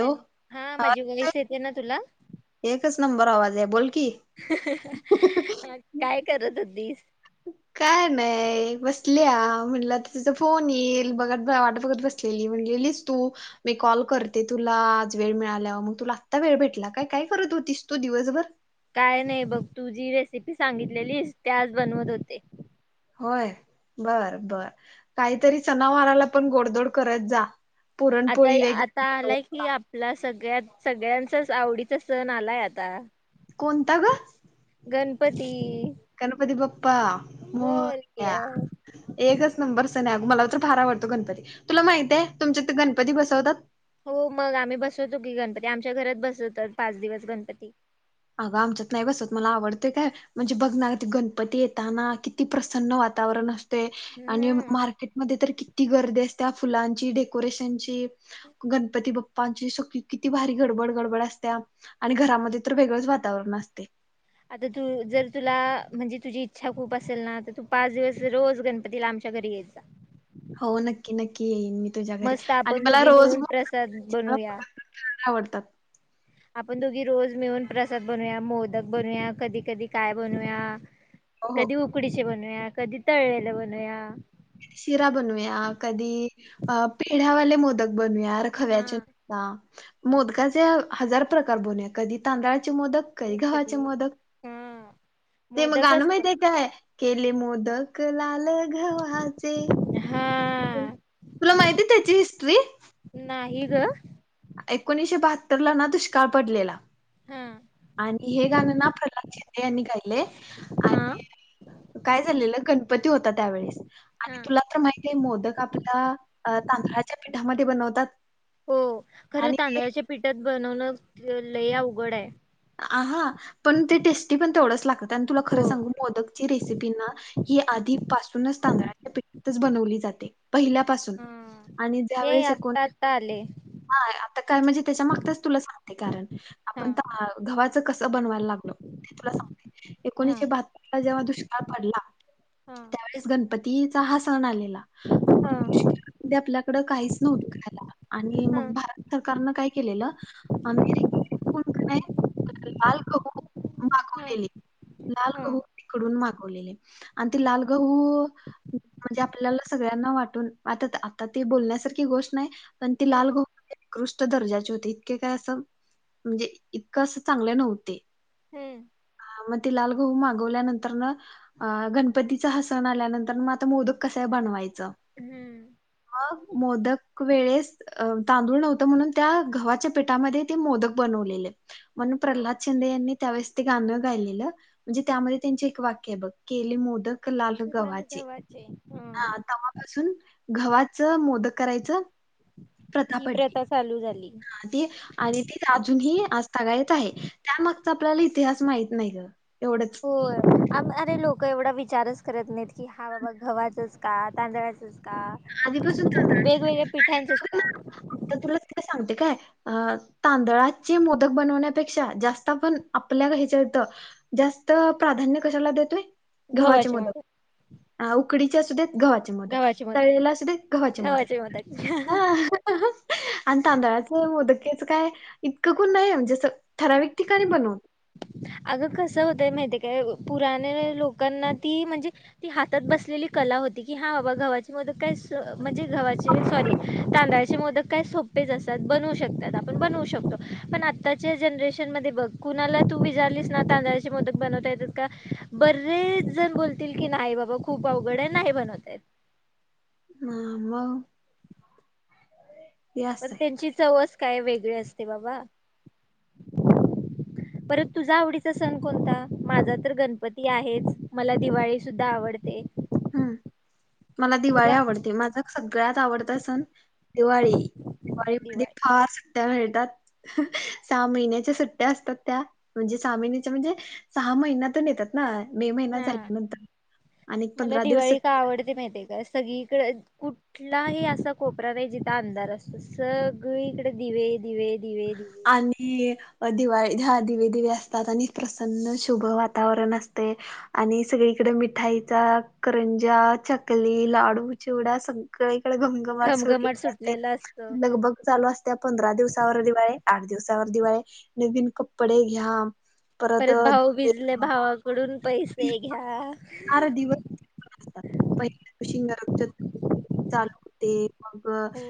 Hello हा माझी वैस येते ना तुला नबर आवाज बोल की. काय करत होदीस काय नाही बसल्या म्हणलं आता तिचा फोन येईल बघत वाट बघत बसलेली म्हण तू मी कॉल करते तुला आज वेळ मिळा मग तुला आता वेळ भेटला का काय करत होती तो दिवसभर काय नाही बघ तू जी रेसिपी सांगितलेलीस ते आज बनवत होते होय बर बर काहीतरी सनावाराला पण गोडदोड करत जा आता पुरणपोळी वगैरे आता आलाय की आपला सगळ्यात सगळ्यांचाच आवडीचा सण आलाय आता कोणता ग गणपती गणपती पप्पा मो बोल एकच नंबर सने मला तर फार आवडतो गणपती तुला माहित आहे तुमच्या तर गणपती बसवतात हो मग आम्ही बसवतो की गणपती आमच्या घरात बसतत पाच दिवस गणपती अगं आमच्यात नाही बसत मला आवडते काय म्हणजे बघना गणपती येताना किती प्रसन्न वा वातावरण अस ते आणि हम्म मार्केटमध्ये तर किती गर्दी असते त्या फुलांची डेकोरेशनची गणपती बाप्पची स किती भारी गडबड गडबड असत्या आणि घरामध्ये वेगळंच वातावरण असते आता तू जर तुला म्हणजे तुझी इच्छा खूप असेल ना तर तू पाच दिवस रोज गणपती लांब शगरीचा हो नक्की नक्की येईन मी तुझ्या घरी मस्त आणि आपण मला दोघी रोज मिळून प्रसाद बनूया आवडतात आपण दोघी रोज मिळून प्रसाद बनवया मोदक बनूया कधी कधी काय बनूया हो हो कधी उकडीचे बनवूया कधी तळलेला बनूया शिरा बनूया कधी अ पेढ्यावाले मोदक बनया खव्या हा. न मो हजार प्र बन कधी तांदळा मोदक का गावाचे कधी मोदक हा ते मग गाणं मोदकच माहितय मोदक कायय. केले मोदक लाल घवा. ह हा. तुला माहिती आहे त्याची हिस्ट्री ह हग. रला ना दुष्काळ पडलेला. हा आणि हे गाणं ना प्रल्हाद शिंदे यांनी गायले हा आणि काय झालेलं गणपती होता त्यावेळेस आणि हा तुला तर माहिती आहे मोदक आपला अ, तांदळाच्या पिठामध्ये बनवतात. हो खरं आणि ते तांदळाच्या पिठात बनवण लय अवघड आहे. आा पण ते टेस्टी पण तेवढच लागत आणि तुला हो खरं सांग मोदकची रेसिपी ना. ही आधी पासूनच तांदळाच्या पिठातच बनवली जाते. पहिल्यापासून हा आणि हे ज्यावेेळेस एकूण आत्ता आत्ता आले हा आता काय म्हणजे त्याच्या मागताच तुला सांगते कारण हा आपण गव्हाचं कसं बनवायला लागलं ते तुला सांगते. हा एकोणीसशे बहात्तर ला जेव्हा दुष्काळ पडला हा त्यावेळेस गणपतीचा हा सण आलेला. हा. आपल्या काही न म हा भत सरकारन काय के री कोणय तर लाल कहू हा मागवलेली लाल हा कहू तिकडून माग. लाल गहू म्हणजे आपल्याला सगळ्यांना वाट वाट आ. बोलण्यासारखी गोष्ट नाही. पण ती लाल हम्म गो उत्कृष्ट दर्जाची होती इतके काय असं म्हणजे कसं चांगले नव्हते. हम्म. अं, मग लाल गहू मागवल्यानंतर गणपतीचं हसन आल्यानंतर मग आता मोदक कस बनवायच. हम्म मग मोदक वेळेस अ तांदूळ नव्हतं म्हणून त्या गव्हाच्या पिठामध्ये ते मोदक बनवलेले. म्हणून प्रल्हाद शिंदे यांनी त्यावेळेस ते गाणं गायलेलं म्हणजे त्यामध्ये त्यां एक वाक्य बघ. केलेले मोदक लाल गव्हाचे हा तेव्हापासून गव्हाचं मोदक करायचं. ही प्रतापटडी प्रथा चालू झाली. ती आणि ती राजून ही सगाळेत आहे त्यामागचा आपल्याला इतिहास माहीत नाही गं. एवढंच. हो अरे लोकं एवढा विचारच करत नाहीत की हा बाबा गव्हाचच. का तांदळाचच का आधीपासून म्हणजे तांदळाचेच वेगवेगळ्या पिठांच आणि बघ का? ना आता तुला काय सांगते काय तांदळाचे मोदक बनण्यापेक्षा जास्त आपण आपल्या हेच्या जास्त प्राधान्य कशाला देतोय. गव्हाचे मोदक हा उकडीचे असदेत गव्हाचे मोदक तळलेला असुदेत गव्हाचे मोदक ह आणि तांदळाचे मोदक. च काय इतकं कोुण नाही म्हणजे ठराविक ठिकाणी बनवु. [unintelligible] अगं कसं होतय माहितीय काय पुराने लोकांना ती म्हणजे ती हातात बसलेली कला. होती की हा बाबा मोदक काय म्हणजे हा सॉरी तांदळाचे मोदक काय सोपेच अस. बनवू शकतात आपण बनवू शकतो पण आताच्या जनरेशन मध्ये बघ कुनाला तु विचार विचारलीस ना तांदळा मोदक बनवता येतात का बरेच जण बोलतील कि की नाही बाबा खूप अवघड. नाही बनवता येत. हा मग हे पण असं आहे त्यांची चवच काय वेगळी असते बाबा परत तुझा आवडीचा सण कोणता माझा तर गणपती आहेच मला दिवाळी सुद्धा आवडते. हम्म मला दिवाळी तुला आवडते माझा सगळ्यात आवडता सण. दिवाळी दिवाळीमध्ये दिवाळी फार त्या मिळतात सहा महिन्याच्या सुट्ट्या असतात त्या म्हणजे सहा महिन्याच्या म्हणजे सहा महिन्यातून येतात ना मे महिना हा झाल्यानंतर आणि मला पंधरा दिवस दिवाळी सुट्टी. का आवडते माहिती काय सगळीकडं कुठलाही असा कोपरा नाही जिथं अंधार असतो सगळी इकडे दिवे दिवे दिवे दिवे आणि दिवाळी हा दिवे दिवे असतात आणि प्रसन्न शुभ वातावरण असते आणि सगळी इकडे मिठाईचा करंजा चकली लाडू चिवडा सगळे इकडे घंघमाट घमघमाट सुटलेले असते सुटलेला असतो लगभग चालू असते पंधरा दिवसावर दिवाळी आठ दिवसावर दिवाळी नवीन कपडे घ्या परत भाऊबीजला भावाकडून पैसे घ्या पहिला शिंगारत चालू होते मग हो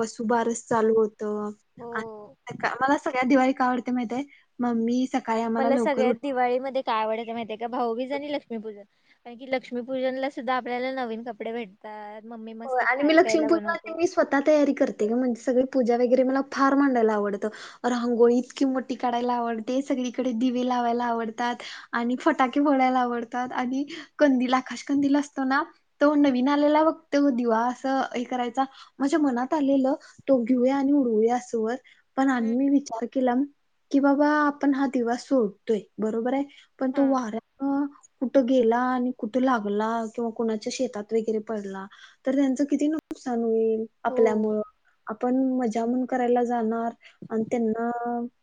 वसुबारस चालू होतं हो आणि मला सगळ्या दिवाळी काय आवडते माहितीये मम्मी सकाळी आम्हाला मला लवकर सगळ्यात उठ दिवाळीमध्ये काय आवडतं मा तेका भाऊबीज आणि लक्ष्मीपूजन कारण की लक्ष्मीपूजनला सुद्धा आपल्याला नवीन कपडे भेटतात मम्मी हो मस्त आणि मी खाय प्यायला लक्ष्मीपूजेला बनवते मी स्वतः तयारी करते गं म्हणजे सगळे पूजा वगैरे मला फार मांडायला आवडतं रांगोळी इतकी मोठी काढायला आवडते सगळीकडे दि लावायला आवडतात आणि फटाके फोडायला आवडतात आणि कंदील आकाश कंदील असतो ना तो नवीन आलेला बघ तो दिवा असं हे करायचा माझ्या मनात आलेलं तो घेऊया आणि उडवूया असं वर पण आणि हम्म मी विचार केला की बाबा आपण हा दिवा सोडतोय बरोबर आहे पण हा तो वाऱ्या कुठं गेला आणि कुठं लागला किंवा कुणाच्या शेतात वगैरे पडला तर त्यांचं किती नुकसान होईल हो आपल्यामुळं आपण मजा म्हणून करायला जाणार आणि त्यांना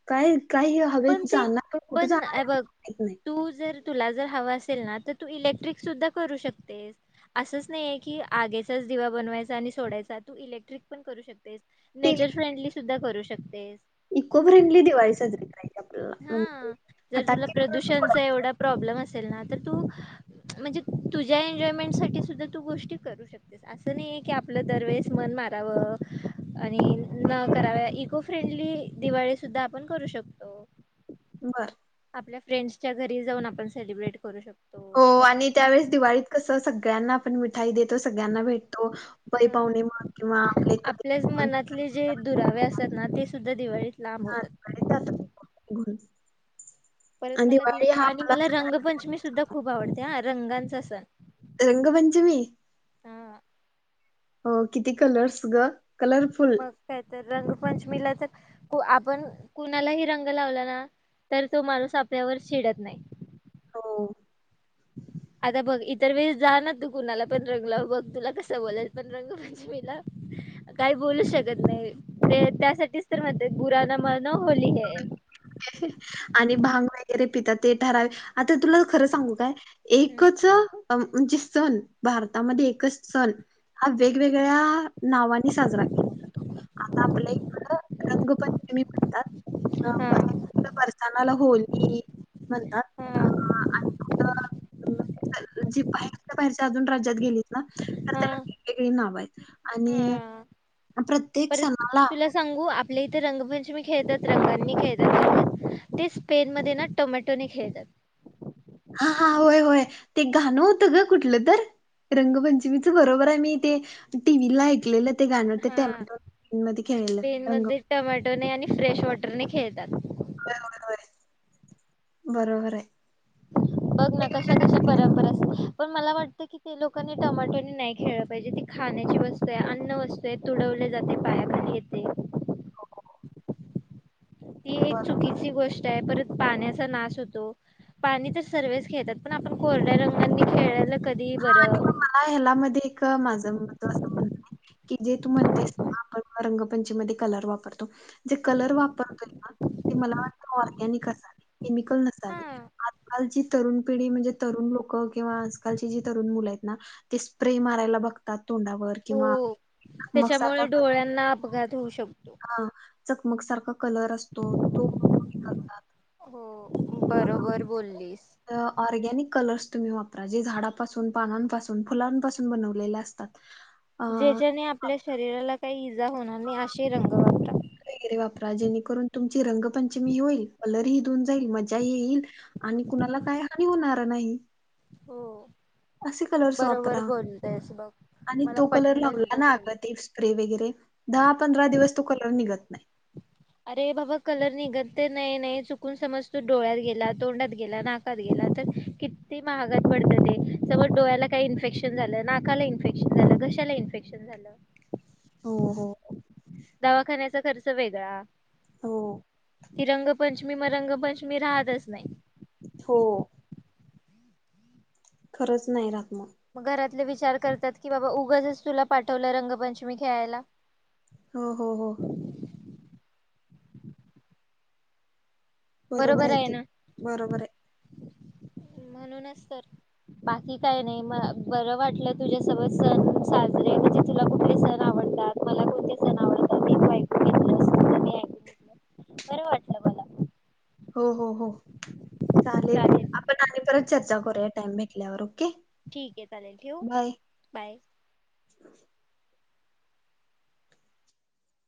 काय काही हवे पण ते जाणार कुठे पण जाणार अ बघ माहित नाही तू जर तुला जर हवा असेल ना तर तू इलेक्ट्रिक सुद्धा करू शकतेस असंच नाहीे आहे की आगेचाच दिवा बनवायचा आणि सोडायचा तू इलेक्ट्रिक पण करू शक तेस ते नेचर फ्रेंडली सुद्धा करू शकतेस इको फ्रेंडली दिवाळी साजरी करायची आपल्याला हा म्हणजे जर तुला फटाके पण प्रदूषणचा फोडायचे. एवढा प्रॉब्लेम अस असेल ना तर तू म्हणजे तुझ्या एन्जॉयमेंट साठी सुद्धा तू गोष्टी करू शकतेस अस नाही की आपल दरवेळेस मन माराव आणि कराव इको फ्रेंडली दि दिवाळी सुद्धा आपण करू शकतो बर आपल्या फ्रेंडसच्या घरी जाऊन आपण सेलिब्रेट करू शकतो हो आणि त्यावेेळेस दिवाळीत कसं सगळ्यांना आपण मिठाई देतो सगळ्यांना भेटतो पई पाहुणे मग किंवा आपले आपल्याच कधी मनातले जे दुरावे असतात ना ते सुद्धा दिवाळीत लांब हा होतात. घरून परत मला दिव आणि मला रंगपंचमी सुद्धा खूप आवडते हा रंगांचा सण रंगपंचमी हा हो किती कलर्स ग कलरफुल मग काय तर रंग पंचमीला तर आपण कुणालाही रंग लावला ना तर तो माणूस आपल्यावर चिडत नाही हो आता बघ इतर वेळेस जा ना तू कुणाला पण रंग लाव बघ तुला कसं बोलल पण रंगपंचमीला काही बोलू शकत नाही ते त्यासाठीच तर म्हणते बुरा ना मानो होली है आणि भांग वगैरे पितात ते ठरावे आता तुला खरं सांगू काय एकच हा म्हणजे सण भारतामध्ये एकच सण हा वेगवेगळ्या नावाने साजरा केला जातो आता आपल्या इकड रंगपंचमी म्हणतात हा. परसानाला होली म्हणतात अ हा आणि कुठं जी बाहेरच्या बाहेरच्या अजून राज्यात गेलीत ना तर त्याला वेगळी नाव आहेत आणि हा प्रत्येक परत सणाला तुला सांगू आपल्या इथे रंगपंचमी खेळतात रंगांनी खेळतात ते स्पेन मध्ये ना टोमॅटोे ने खेळतात हा हा होय होय ते गाणं होतं ग कुठलं तर रंगपंचमीच बरोबर आहे मी ते टीव्ही ला ऐकलेलंत ते गाण ते हा टमॅटो मध्ये खेळलेलं रंग टने आणि फ्रेश वॉटरने खेळतात बरोबर आहे बरोबर आहे [inaudible] बघ ना कशा कशा परंपरा असतात पण मला वाटत कि ते लोकांनी टमॅटो नाही खेळल पाहिजे ते खा खाण्याची वस्तू आहे अन्न वस्तू आहे तुडवले जाते पायाखाली येते ती एक बरोबर. चुकीची गोष्ट आहे परत पाण्याचा नाश होतो पाणी तर सर्वच खेळतात पण आपण कोरड्या रंगानी खेळल्याल कधी ही हा बरं आणि मग मला ह्याला मध्ये माझं महत्वाचं म्हणण आहे की जे तू म्हणतेस ना आपण रंगपंचमी मध्ये कलर वापरतो जे कलर वापरतोय ना ते मला वाटतं ऑरगॅनिक असावे केमिकल नसावे हा आजकालची तरुण पिढी म्हणजे तरुण लोक किंवा आजकाल जी तरुण मुल आहेत ना ते स्प्रे मारायला बघतात तोंडावर किंवा हो चकमक त्याच्यामुळे सारखा डोळ्यांना अपघात होऊ शकतो कलर चकमक सारखं कलर असतो तो कमी करतात. हो बरोबर बोललीस. ऑरगॅनिक कलर्स तुम्ही वापरा जे झाडापासून पानांपासून फुलांपासून बनवलेला असतात तात. ज्याच्याने आपल्या शरीराला काही इजा होणार नाही अशे रंग वापरा. वगैरे वापरा जेणेकरून तुमची रंगपंचमी ही होईल कलरही धून जाईल मजा ही येईल. आणि कुणाला काय हानी होणार नाही. हो. असे कलर्स बरोबर वापरा. बोलतेस बघ आणि मला तो कलर पटलं लावला तुझं ना बोल अग ते स्प्रे वगैरे दहा पंधरा दिवस तो कलर निघत नाही [inaudible] अरे बाबा कलर निघत तर नाही नाही चुकून समज तो डोळ्यात गेला तोंडात गेला नाकात गेला किती महागात पडतं ते समज डोळ्याला काही इन्फेक्शन झालं नाकाला इनफेक्शन झालं तर कशाला इन्फेक्शन होईल हो हो हो दवाखान्याचा खर्च वेगळा. हो ती रंगपंचमी म रंगपंचमी राहतच नाही. हो खरंच नाही राहात मग. मग घरातले विचार करतात की बाबा उगंचच तुला पाठवलं रंगपंचमी खेळायला. हो हो हो बरोबर आहे तू बरोबर आहे. म्हणूनच तर. बाकी काय नाही म बरं वाटलं तुझ्यासोबत सण साजरे म्हणजे तुला कुठले सण आवडतात तात मला कोणते सण आवडतात ते तू ऐकून घेतलंस तुझं मी ऐकून घेतलं. बरं वाटलं मला. हो हो हो चालेल आपण आणि परत चर्चा करूया टाइम भेटल्यावर. ओके ठीक आहे चालेल ठेऊ? बाय. बाय. [inaudible]